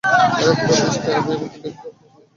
এই ধরাপৃষ্ঠে আমি এবং তুমি ব্যতীত আর কোন মুমিন নেই।